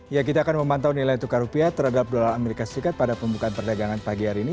ya kita akan memantau nilai tukar rupiah terhadap dolar amerika serikat pada pembukaan perdagangan pagi hari ini